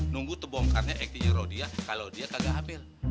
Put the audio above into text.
nunggu tebongkannya eki nyerodia kalo dia kagak hamil